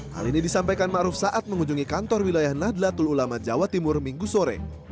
hal ini disampaikan maruf saat mengunjungi kantor wilayah nahdlatul ulama jawa timur minggu sore